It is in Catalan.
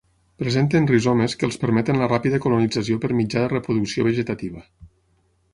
Presenten rizomes que els permeten la ràpida colonització per mitjà de reproducció vegetativa.